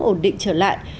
ổn định trở lại